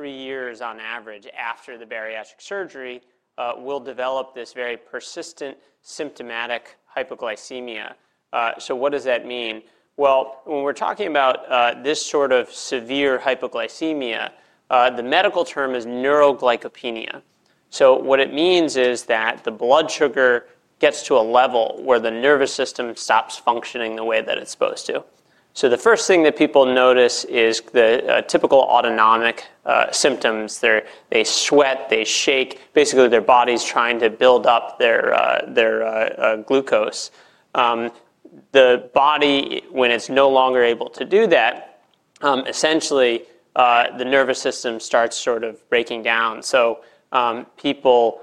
Three years on average after the bariatric surgery, people will develop this very persistent symptomatic hypoglycemia. What does that mean? When we're talking about this sort of severe hypoglycemia, the medical term is neuroglycopenia. It means that the blood sugar gets to a level where the nervous system stops functioning the way that it's supposed to. The first thing that people notice is the typical autonomic symptoms. They sweat, they shake, basically their body's trying to build up their glucose. When the body is no longer able to do that, essentially the nervous system starts sort of breaking down. People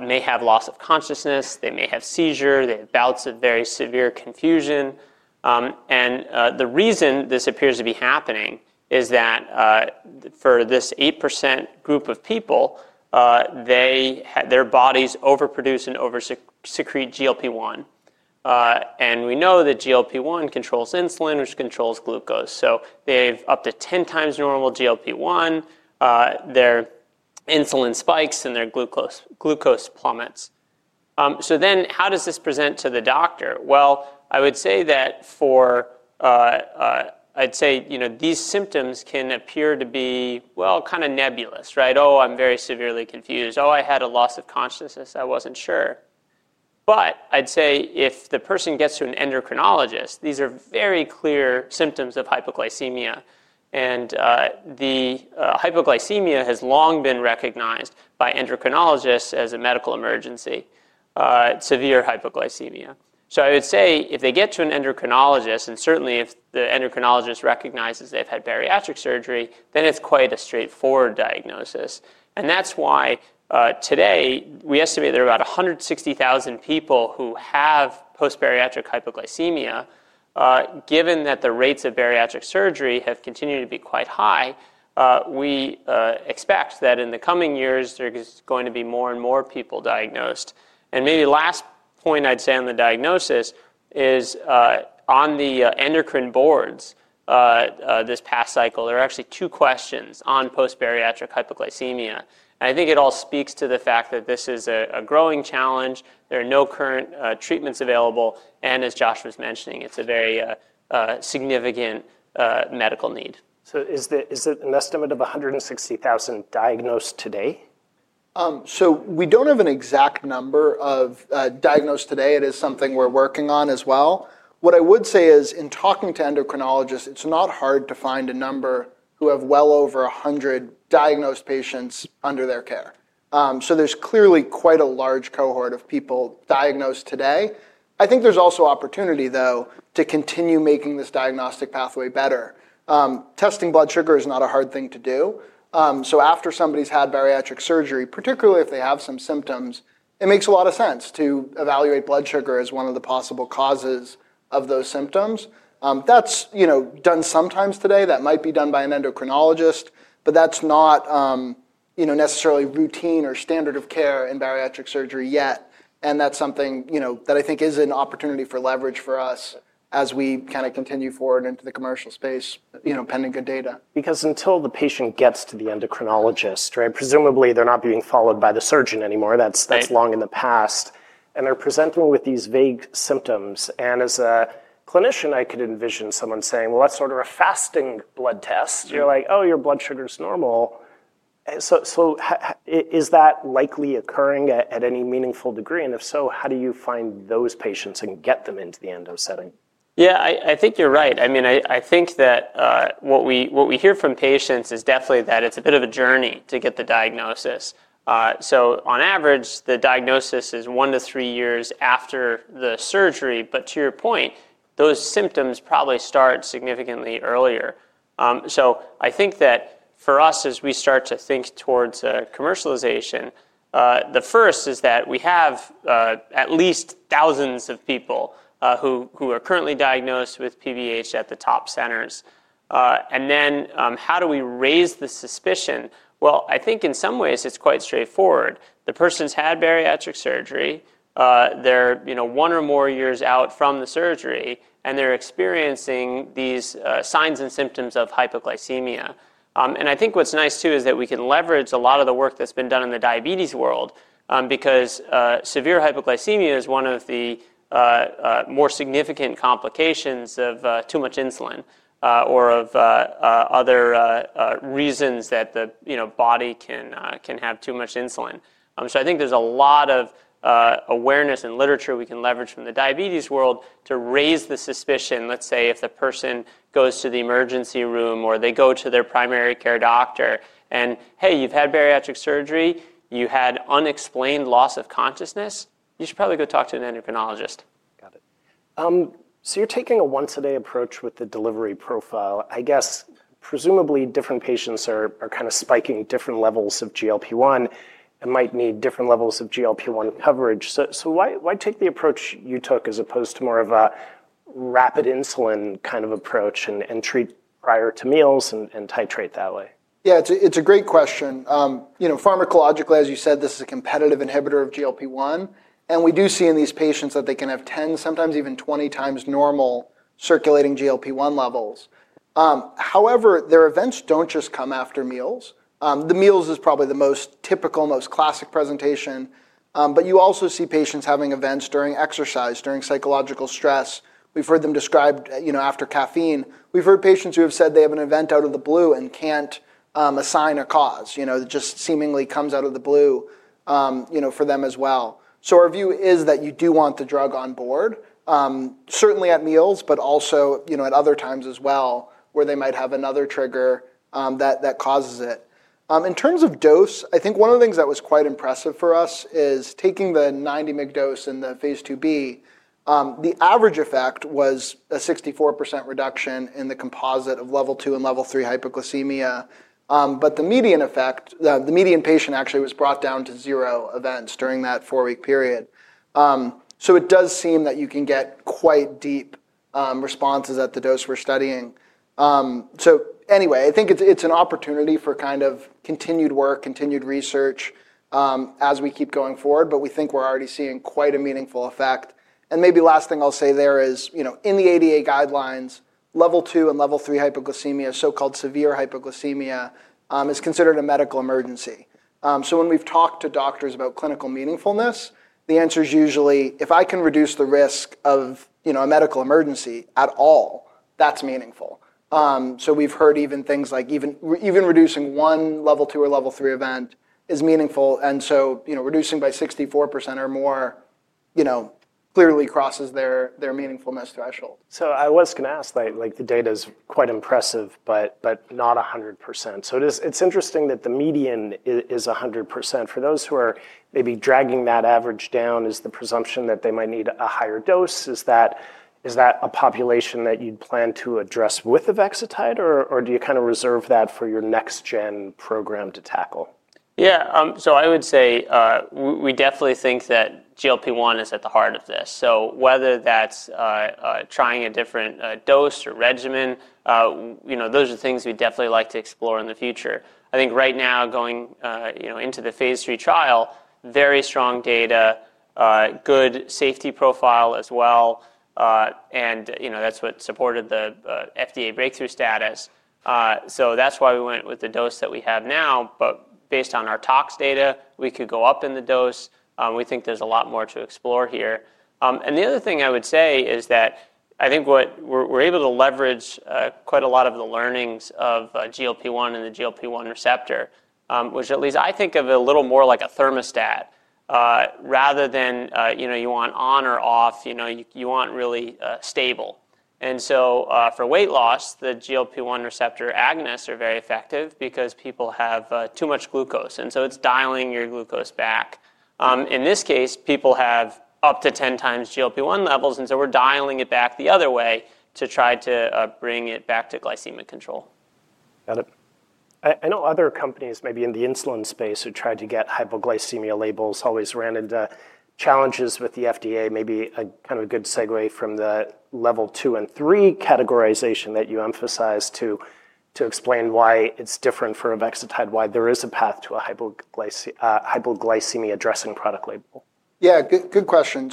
may have loss of consciousness, they may have seizures, they have bouts of very severe confusion. The reason this appears to be happening is that for this 8% group of people, their bodies overproduce and over-secrete GLP-1. We know that GLP-1 controls insulin, which controls glucose. They have up to 10x normal GLP-1, their insulin spikes, and their glucose plummets. How does this present to the doctor? These symptoms can appear to be kind of nebulous, right? Oh, I'm very severely confused. Oh, I had a loss of consciousness, I wasn't sure. If the person gets to an endocrinologist, these are very clear symptoms of hypoglycemia. Hypoglycemia has long been recognized by endocrinologists as a medical emergency, severe hypoglycemia. If they get to an endocrinologist, and certainly if the endocrinologist recognizes they've had bariatric surgery, then it's quite a straightforward diagnosis. That's why today we estimate there are about 160,000 people who have post-bariatric hypoglycemia. Given that the rates of bariatric surgery have continued to be quite high, we expect that in the coming years there's going to be more and more people diagnosed. Maybe last point on the diagnosis is on the endocrine boards this past cycle, there are actually two questions on post-bariatric hypoglycemia. I think it all speaks to the fact that this is a growing challenge, there are no current treatments available, and as Josh was mentioning, it's a very significant medical need. Is it an estimate of 160,000 diagnosed today? We don't have an exact number of diagnosed today, it is something we're working on as well. What I would say is in talking to endocrinologists, it's not hard to find a number who have well over 100 diagnosed patients under their care. There's clearly quite a large cohort of people diagnosed today. I think there's also opportunity to continue making this diagnostic pathway better. Testing blood sugar is not a hard thing to do. After somebody's had bariatric surgery, particularly if they have some symptoms, it makes a lot of sense to evaluate blood sugar as one of the possible causes of those symptoms. That's done sometimes today, that might be done by an endocrinologist, but that's not necessarily routine or standard of care in bariatric surgery yet. That's something that I think is an opportunity for leverage for us as we continue forward into the commercial space, pending good data. Because until the patient gets to the endocrinologist, right, presumably they're not being followed by the surgeon anymore, that's long in the past, and they're presenting with these vague symptoms. As a clinician, I could envision someone saying that's sort of a fasting blood test, you're like, "Oh, your blood sugar's normal." Is that likely occurring at any meaningful degree? If so, how do you find those patients and get them into the endo setting? Yeah, I think you're right. I mean, I think that what we hear from patients is definitely that it's a bit of a journey to get the diagnosis. On average, the diagnosis is one to three years after the surgery, but to your point, those symptoms probably start significantly earlier. I think that for us, as we start to think towards commercialization, the first is that we have at least thousands of people who are currently diagnosed with PBH at the top centers. How do we raise the suspicion? I think in some ways it's quite straightforward. The person's had bariatric surgery, they're, you know, one or more years out from the surgery, and they're experiencing these signs and symptoms of hypoglycemia. I think what's nice too is that we can leverage a lot of the work that's been done in the diabetes world because severe hypoglycemia is one of the more significant complications of too much insulin or of other reasons that the, you know, body can have too much insulin. I think there's a lot of awareness and literature we can leverage from the diabetes world to raise the suspicion, let's say, if the person goes to the emergency room or they go to their primary care doctor and, hey, you've had bariatric surgery, you had unexplained loss of consciousness, you should probably go talk to an endocrinologist. Got it. You're taking a once-a-day approach with the delivery profile. I guess presumably different patients are kind of spiking different levels of GLP-1 and might need different levels of GLP-1 coverage. Why take the approach you took as opposed to more of a rapid insulin kind of approach and treat prior to meals and titrate that way? Yeah, it's a great question. You know, pharmacologically, as you said, this is a competitive inhibitor of GLP-1, and we do see in these patients that they can have 10x, sometimes even 20x normal circulating GLP-1 levels. However, their events don't just come after meals. The meals is probably the most typical, most classic presentation, but you also see patients having events during exercise, during psychological stress. We've heard them described, you know, after caffeine. We've heard patients who have said they have an event out of the blue and can't assign a cause, it just seemingly comes out of the blue, you know, for them as well. Our view is that you do want the drug on board, certainly at meals, but also, you know, at other times as well where they might have another trigger that causes it. In terms of dose, I think one of the things that was quite impressive for us is taking the 90mg dose in the phase IIb. The average effect was a 64% reduction in the composite of level two and level three hypoglycemia, but the median effect, the median patient actually was brought down to zero events during that four-week period. It does seem that you can get quite deep responses at the dose we're studying. I think it's an opportunity for kind of continued work, continued research as we keep going forward, but we think we're already seeing quite a meaningful effect. Maybe the last thing I'll say there is, you know, in the American Diabetes Association guidelines, level two and level three hypoglycemia, so-called severe hypoglycemia, is considered a medical emergency. When we've talked to doctors about clinical meaningfulness, the answer's usually, if I can reduce the risk of, you know, a medical emergency at all, that's meaningful. We've heard even things like even reducing one level two or level three event is meaningful. Reducing by 64% or more, you know, clearly crosses their meaningfulness threshold. I was going to ask, like the data's quite impressive, but not 100%. It's interesting that the median is 100%. For those who are maybe dragging that average down, is the presumption that they might need a higher dose? Is that a population that you'd plan to address with Avexitide, or do you kind of reserve that for your next gen program to tackle? Yeah, I would say we definitely think that GLP-1 is at the heart of this. Whether that's trying a different dose or regimen, those are things we'd definitely like to explore in the future. I think right now, going into the phase III trial, very strong data, good safety profile as well, and that's what supported the FDA breakthrough therapy designation. That's why we went with the dose that we have now, but based on our tox data, we could go up in the dose. We think there's a lot more to explore here. The other thing I would say is that I think we're able to leverage quite a lot of the learnings of GLP-1 and the GLP-1 receptor, which at least I think of a little more like a thermostat, rather than you want on or off, you want really stable. For weight loss, the GLP-1 receptor agonists are very effective because people have too much glucose, and so it's dialing your glucose back. In this case, people have up to 10x GLP-1 levels, and we're dialing it back the other way to try to bring it back to glycemic control. Got it. I know other companies, maybe in the insulin space, who tried to get hypoglycemia labels always ran into challenges with the FDA. Maybe a kind of a good segue from the level two and three categorization that you emphasized to explain why it's different from Avexitide, why there is a path to a hypoglycemia addressing product label. Yeah, good question.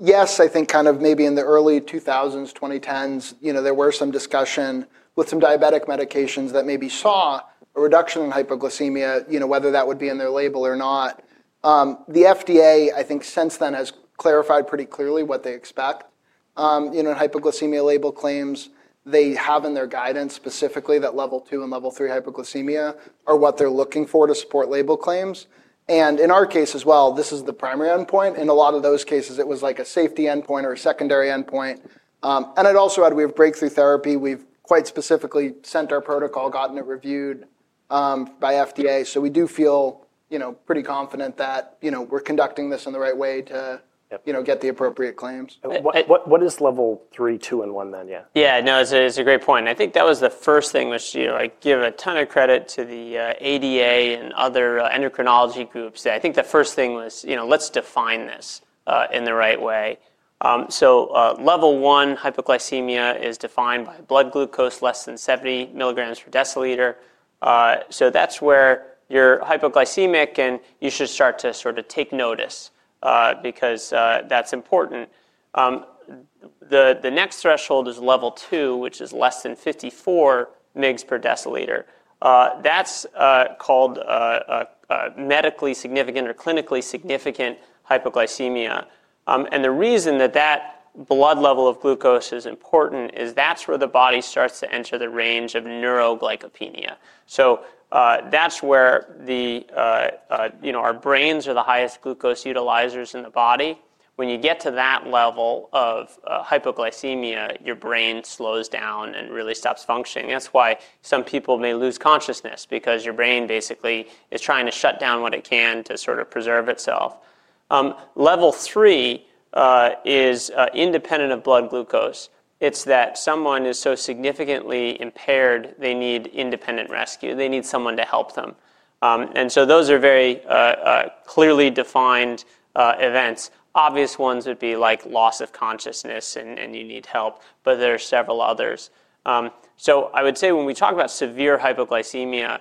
Yes, I think kind of maybe in the early 2000s, 2010s, there were some discussions with some diabetic medications that maybe saw a reduction in hypoglycemia, whether that would be in their label or not. The FDA, I think, since then has clarified pretty clearly what they expect. In hypoglycemia label claims, they have in their guidance specifically that level two and level three hypoglycemia are what they're looking for to support label claims. In our case as well, this is the primary endpoint. In a lot of those cases, it was like a safety endpoint or a secondary endpoint. It also had, we have breakthrough therapy, we've quite specifically sent our protocol, gotten it reviewed by FDA. We do feel pretty confident that we're conducting this in the right way to get the appropriate claims. What is level three, two, and one then? Yeah. Yeah, no, it's a great point. I think that was the first thing, you know, I give a ton of credit to the American Diabetes Association and other endocrinology groups. I think the first thing was, you know, let's define this in the right way. Level one hypoglycemia is defined by blood glucose less than 70 mg/ dL. That's where you're hypoglycemic and you should start to sort of take notice because that's important. The next threshold is level two, which is less than 54 mg/dL. That's called medically significant or clinically significant hypoglycemia. The reason that that blood level of glucose is important is that's where the body starts to enter the range of neuroglycopenia. That's where, you know, our brains are the highest glucose utilizers in the body. When you get to that level of hypoglycemia, your brain slows down and really stops functioning. That's why some people may lose consciousness because your brain basically is trying to shut down what it can to sort of preserve itself. Level three is independent of blood glucose. It's that someone is so significantly impaired, they need independent rescue, they need someone to help them. Those are very clearly defined events. Obvious ones would be like loss of consciousness and you need help, but there are several others. I would say when we talk about severe hypoglycemia,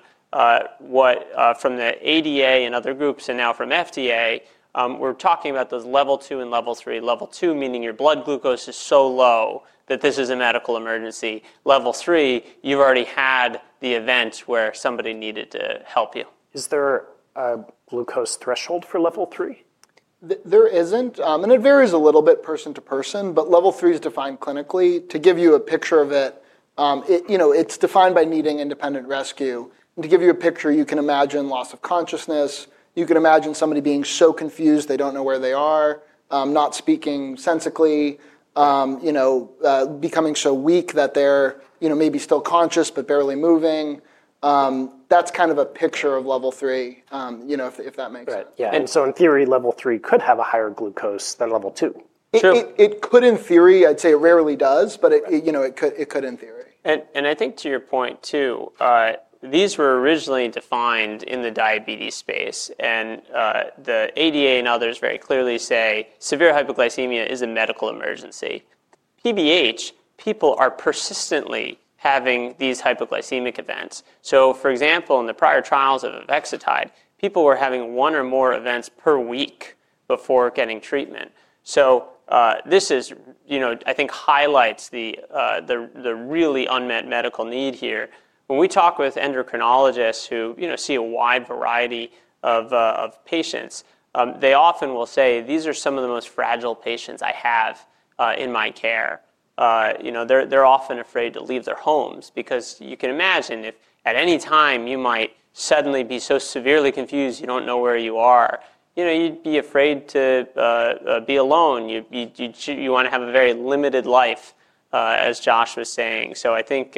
what from the American Diabetes Association and other groups and now from FDA, we're talking about those level two and level three. Level two meaning your blood glucose is so low that this is a medical emergency. Level three, you've already had the event where somebody needed to help you. Is there a glucose threshold for level three? There isn't, and it varies a little bit person to person, but level three is defined clinically. To give you a picture of it, it's defined by needing independent rescue. To give you a picture, you can imagine loss of consciousness. You can imagine somebody being so confused, they don't know where they are, not speaking sensically, becoming so weak that they're, you know, maybe still conscious but barely moving. That's kind of a picture of level three, if that makes sense. Right, yeah, in theory, level three could have a higher glucose than level two. It could in theory. I'd say it rarely does, but you know, it could in theory. I think to your point too, these were originally defined in the diabetes space, and the AD A a nd others very clearly say severe hypoglycemia is a medical emergency. PBH, people are persistently having these hypoglycemic events. For example, in the prior trials of Avexitide, people were having one or more events per week before getting treatment. This highlights the really unmet medical need here. When we talk with endocrinologists who see a wide variety of patients, they often will say these are some of the most fragile patients I have in my care. They're often afraid to leave their homes because you can imagine if at any time you might suddenly be so severely confused you don't know where you are. You'd be afraid to be alone. You want to have a very limited life, as Josh was saying. I think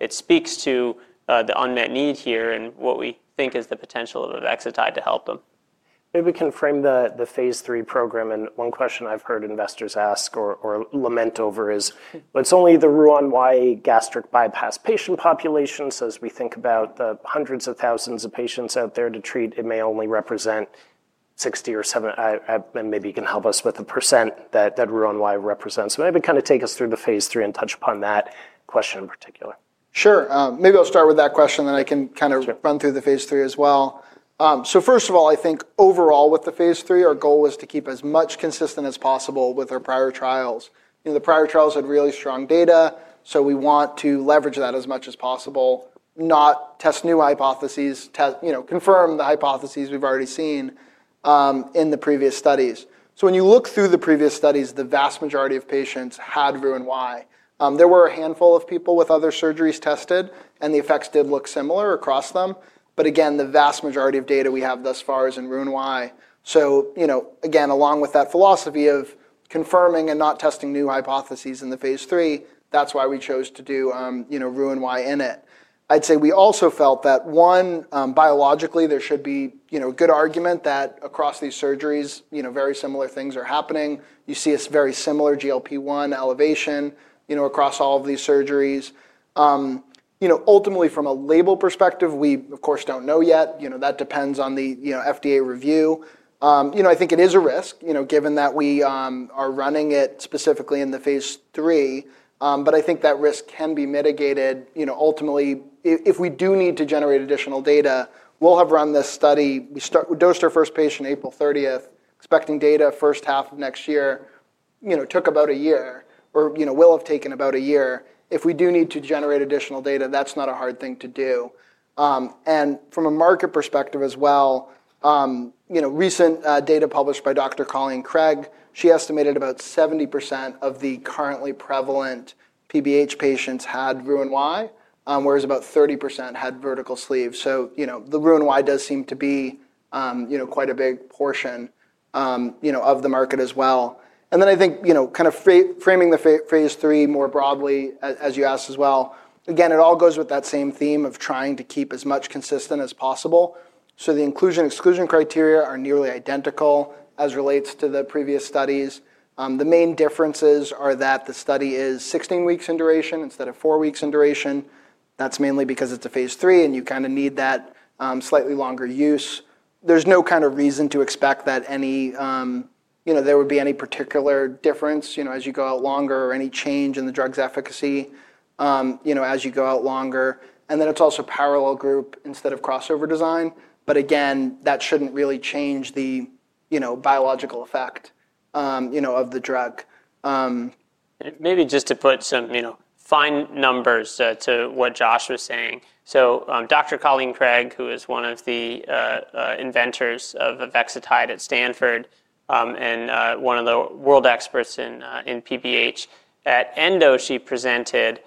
it speaks to the unmet need here and what we think is the potential of Avexitide to help them. Maybe we can frame the phase III program, and one question I've heard investors ask or lament over is, it's only the Roux-en-Y gastric bypass patient population. As we think about the hundreds of thousands of patients out there to treat, it may only represent 60% or 70%, and maybe you can help us with the percent that Roux-en-Y represents. Maybe kind of take us through the phase III and touch upon that question in particular. Sure, maybe I'll start with that question, then I can kind of run through the phase III as well. First of all, I think overall with the phase III, our goal was to keep as much consistent as possible with our prior trials. The prior trials had really strong data, so we want to leverage that as much as possible, not test new hypotheses, confirm the hypotheses we've already seen in the previous studies. When you look through the previous studies, the vast majority of patients had Roux-en-Y. There were a handful of people with other surgeries tested, and the effects did look similar across them, but again, the vast majority of data we have thus far is in Roux-en-Y. Along with that philosophy of confirming and not testing new hypotheses in the phase III, that's why we chose to do Roux-en-Y in it. I'd say we also felt that one, biologically, there should be a good argument that across these surgeries, very similar things are happening. You see a very similar GLP-1 elevation across all of these surgeries. Ultimately, from a label perspective, we of course don't know yet. That depends on the FDA review. I think it is a risk, given that we are running it specifically in the phase III, but I think that risk can be mitigated. Ultimately, if we do need to generate additional data, we'll have run this study. We dosed our first patient April 30th, expecting data first half of next year. It took about a year, or will have taken about a year. If we do need to generate additional data, that's not a hard thing to do. From a market perspective as well, recent data published by Dr. Colleen Craig, he estimated about 70% of the currently prevalent PBH patients had Roux-en-Y, whereas about 30% had vertical sleeve. The Roux-en-Y does seem to be quite a big portion of the market as well. Framing the phase III more broadly, as you asked as well, it all goes with that same theme of trying to keep as much consistent as possible. The inclusion/exclusion criteria are nearly identical as relates to the previous studies. The main differences are that the study is 16 weeks in duration instead of four weeks in duration. That's mainly because it's a phase III and you kind of need that slightly longer use. There's no reason to expect that there would be any particular difference as you go out longer or any change in the drug's efficacy as you go out longer. It's also a parallel group instead of crossover design. That shouldn't really change the biological effect of the drug. Maybe just to put some, you know, fine numbers to what Josh was saying. Dr. Colleen Craig, who is one of the inventors of Avexitide at Stanford and one of the world experts in PBH, presented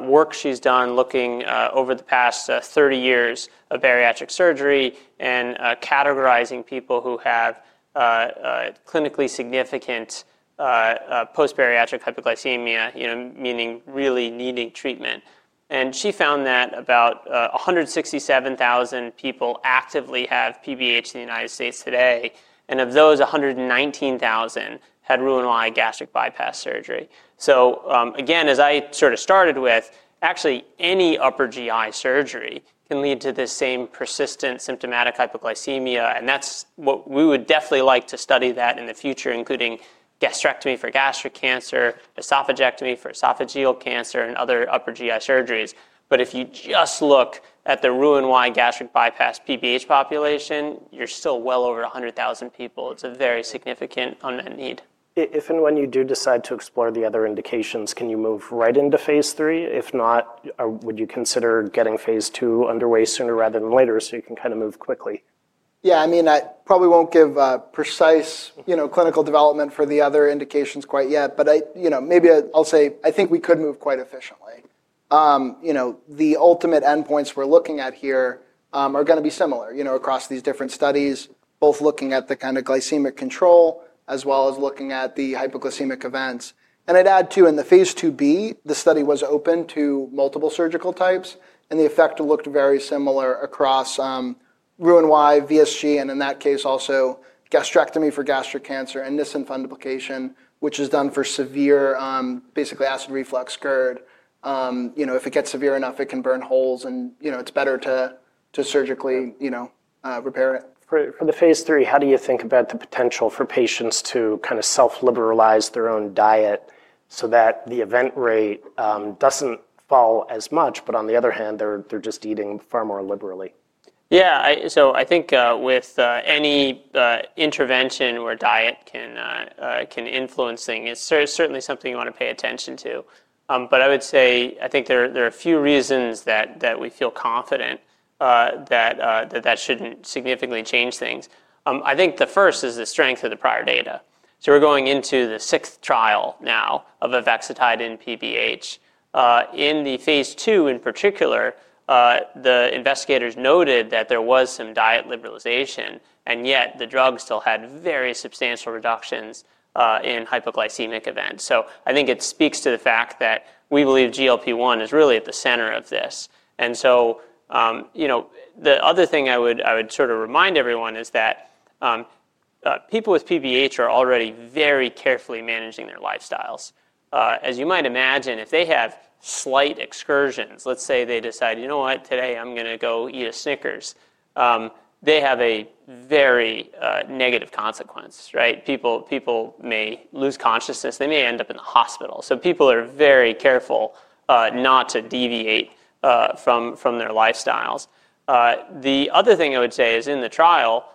work she's done looking over the past 30 years of bariatric surgery and categorizing people who have clinically significant post-bariatric hypoglycemia, meaning really needing treatment. She found that about 167,000 people actively have PBH in the United States today, and of those, 119,000 had Roux-en-Y gastric bypass surgery. Actually, any upper GI surgery can lead to this same persistent symptomatic hypoglycemia, and we would definitely like to study that in the future, including gastrectomy for gastric cancer, esophagectomy for esophageal cancer, and other upper GI surgeries. If you just look at the Roux-en-Y gastric bypass PBH population, you're still well over 100,000 people. It's a very significant unmet need. If and when you do decide to explore the other indications, can you move right into phase III? If not, would you consider getting phase II underway sooner rather than later so you can kind of move quickly? Yeah, I mean, I probably won't give a precise, you know, clinical development for the other indications quite yet, but I, you know, maybe I'll say I think we could move quite efficiently. The ultimate endpoints we're looking at here are going to be similar, you know, across these different studies, both looking at the kind of glycemic control as well as looking at the hypoglycemic events. I'd add too, in the phase IIb, the study was open to multiple surgical types, and the effect looked very similar across Roux-en-Y, VSG, and in that case also gastrectomy for gastric cancer and Nissen fundoplication, which is done for severe, basically acid reflux, GERD. If it gets severe enough, it can burn holes and, you know, it's better to surgically, you know, repair it. For the phase III, how do you think about the potential for patients to kind of self-liberalize their own diet so that the event rate doesn't fall as much, but on the other hand, they're just eating far more liberally? Yeah, so I think with any intervention where diet can influence things, it's certainly something you want to pay attention to. I would say, I think there are a few reasons that we feel confident that that shouldn't significantly change things. I think the first is the strength of the prior data. We're going into the sixth trial now of Avexitide in PBH. In the phase II in particular, the investigators noted that there was some diet liberalization, and yet the drug still had very substantial reductions in hypoglycemic events. I think it speaks to the fact that we believe GLP-1 is really at the center of this. The other thing I would sort of remind everyone is that people with PBH are already very carefully managing their lifestyles. As you might imagine, if they have slight excursions, let's say they decide, you know what, today I'm going to go eat a Snickers, they have a very negative consequence, right? People may lose consciousness, they may end up in the hospital. People are very careful not to deviate from their lifestyles. The other thing I would say is in the trial,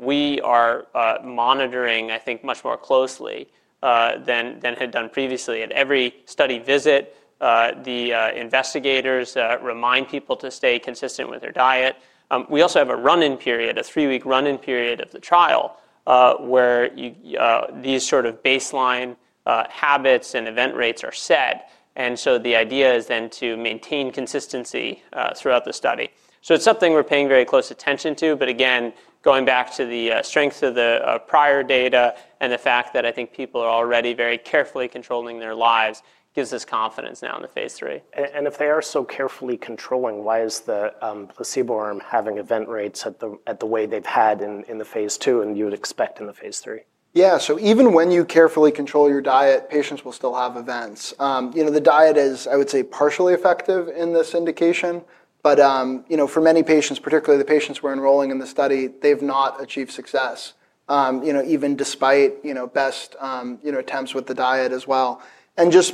we are monitoring, I think, much more closely than had done previously. At every study visit, the investigators remind people to stay consistent with their diet. We also have a run-in period, a three-week run-in period of the trial where these sort of baseline habits and event rates are set. The idea is then to maintain consistency throughout the study. It's something we're paying very close attention to, but again, going back to the strength of the prior data and the fact that I think people are already very carefully controlling their lives gives us confidence now in the phase III. If they are so carefully controlling, why is the placebo arm having event rates the way they've had in the phase II and you would expect in the phase III? Yeah, so even when you carefully control your diet, patients will still have events. The diet is, I would say, partially effective in this indication, but for many patients, particularly the patients we're enrolling in the study, they've not achieved success, even despite best attempts with the diet as well.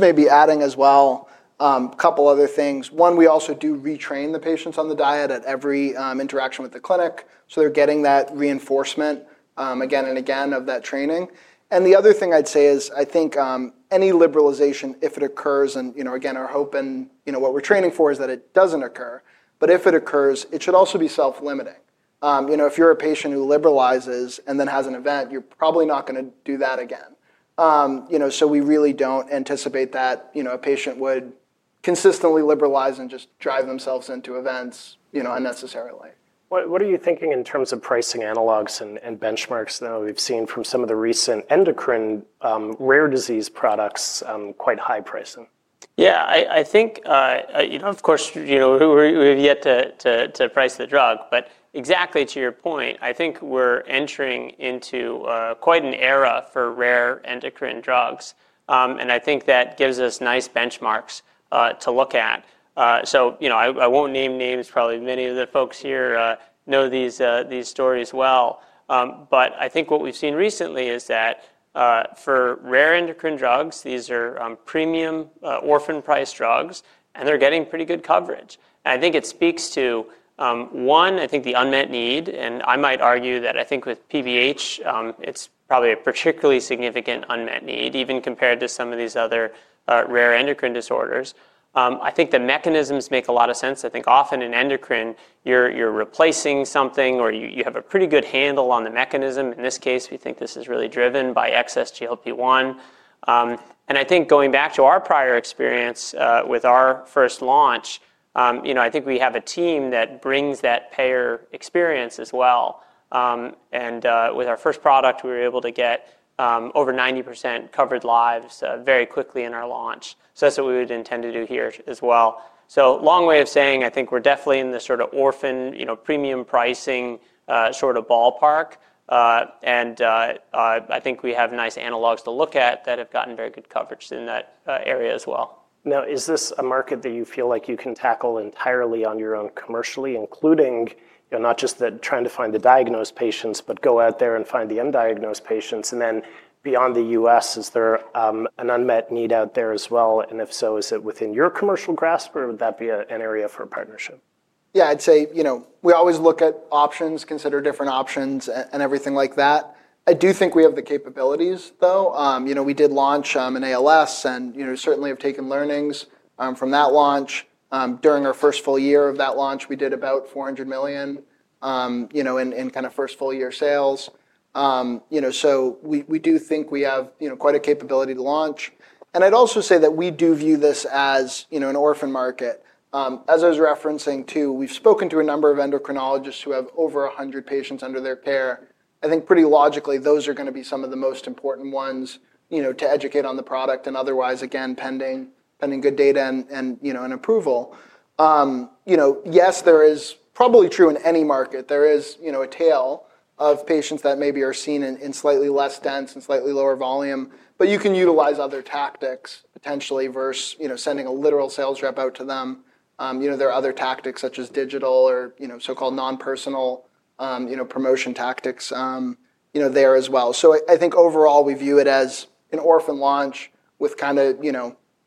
Maybe adding as well a couple other things. One, we also do retrain the patients on the diet at every interaction with the clinic, so they're getting that reinforcement again and again of that training. The other thing I'd say is I think any liberalization, if it occurs, and again, our hope and what we're training for is that it doesn't occur, but if it occurs, it should also be self-limiting. If you're a patient who liberalizes and then has an event, you're probably not going to do that again. We really don't anticipate that a patient would consistently liberalize and just drive themselves into events unnecessarily. What are you thinking in terms of pricing analogues and benchmarks now that we've seen from some of the recent endocrine rare disease products, quite high pricing? Yeah, I think, of course, we've yet to price the drug, but exactly to your point, I think we're entering into quite an era for rare endocrine drugs, and I think that gives us nice benchmarks to look at. I won't name names, probably many of the folks here know these stories well, but I think what we've seen recently is that for rare endocrine drugs, these are premium orphan price drugs, and they're getting pretty good coverage. I think it speaks to, one, the unmet need, and I might argue that with PBH, it's probably a particularly significant unmet need, even compared to some of these other rare endocrine disorders. I think the mechanisms make a lot of sense. Often in endocrine, you're replacing something or you have a pretty good handle on the mechanism. In this case, we think this is really driven by excess GLP-1. Going back to our prior experience with our first launch, I think we have a team that brings that payer experience as well. With our first product, we were able to get over 90% covered lives very quickly in our launch. That's what we would intend to do here as well. A long way of saying I think we're definitely in the sort of orphan, premium pricing sort of ballpark, and I think we have nice analogues to look at that have gotten very good coverage in that area as well. Now, is this a market that you feel like you can tackle entirely on your own commercially, including, you know, not just trying to find the diagnosed patients, but go out there and find the undiagnosed patients? Beyond the U.S., is there an unmet need out there as well? If so, is it within your commercial grasp or would that be an area for a partnership? Yeah, I'd say, you know, we always look at options, consider different options, and everything like that. I do think we have the capabilities though. You know, we did launch in ALS and, you know, certainly have taken learnings from that launch. During our first full year of that launch, we did about $400 million in kind of first full year sales. We do think we have, you know, quite a capability to launch. I'd also say that we do view this as, you know, an orphan market. As I was referencing too, we've spoken to a number of endocrinologists who have over 100 patients under their care. I think pretty logically those are going to be some of the most important ones to educate on the product and otherwise, again, pending good data and, you know, an approval. Yes, there is probably true in any market, there is a tail of patients that maybe are seen in slightly less dense and slightly lower volume, but you can utilize other tactics potentially versus sending a literal sales rep out to them. There are other tactics such as digital or, you know, so-called non-personal promotion tactics there as well. I think overall we view it as an orphan launch with kind of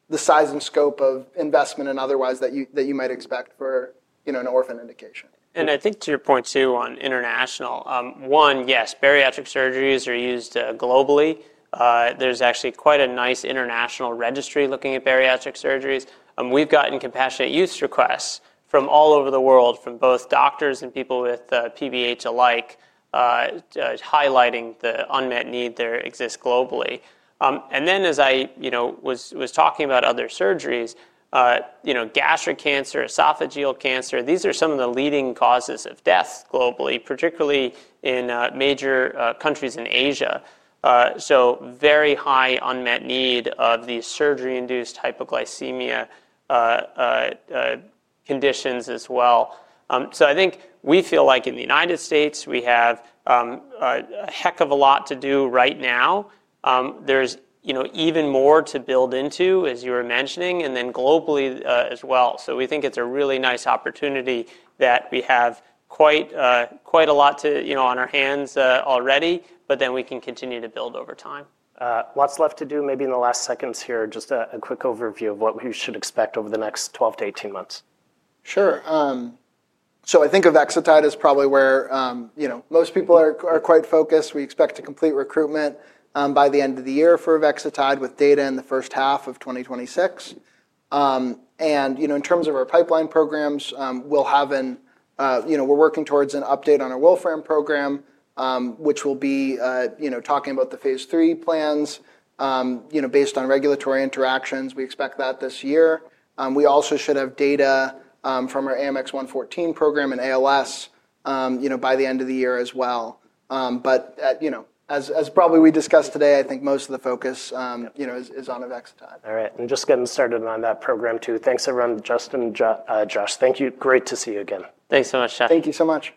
the size and scope of investment and otherwise that you might expect for an orphan indication. I think to your point too on international, one, yes, bariatric surgeries are used globally. There's actually quite a nice international registry looking at bariatric surgeries. We've gotten compassionate use requests from all over the world, from both doctors and people with PBH alike, highlighting the unmet need there exists globally. As I was talking about other surgeries, gastric cancer, esophageal cancer, these are some of the leading causes of deaths globally, particularly in major countries in Asia. Very high unmet need of these surgery-induced hypoglycemia conditions as well. I think we feel like in the United States we have a heck of a lot to do right now. There's even more to build into, as you were mentioning, and then globally as well. We think it's a really nice opportunity that we have quite a lot to, you know, on our hands already, but then we can continue to build over time. Lots left to do, maybe in the last seconds here, just a quick overview of what we should expect over the next 12 - 18 months. Sure. I think Avexitide is probably where most people are quite focused. We expect to complete recruitment by the end of the year for Avexitide with data in the first half of 2026. In terms of our pipeline programs, we're working towards an update on our WellForm program, which will be talking about the phase III plans based on regulatory interactions. We expect that this year. We also should have data from our AMX0114 program in ALS by the end of the year as well. As probably discussed today, I think most of the focus is on Avexitide. All right, just getting started on that program too. Thanks everyone, Justin and Josh. Thank you. Great to see you again. Thanks so much, Jeff. Thank you so much.